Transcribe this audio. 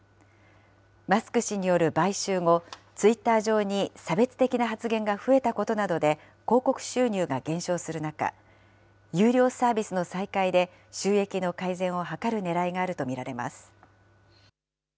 マスク氏による買収後、ツイッター上に差別的な発言が増えたことなどで、広告収入が減少する中、有料サービスの再開で、収益の改善を図るねらいがあると見られます。